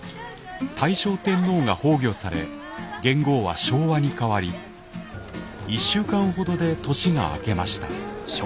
大正天皇が崩御され元号は昭和に変わり１週間ほどで年が明けました。